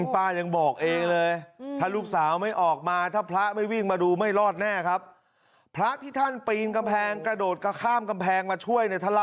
พันธุ์จอบองค์โปรดตัว